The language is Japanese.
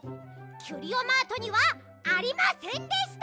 キュリオマートにはありませんでした！